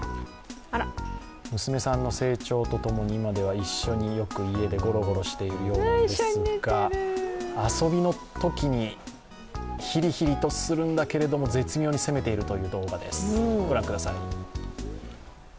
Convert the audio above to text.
娘さんの成長とともに、今では一緒に家でゴロゴロしているようですが、遊びのときにヒリヒリとするんだけれども絶妙に攻めているという動画です。